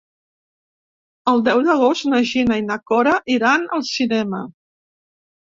El deu d'agost na Gina i na Cora iran al cinema.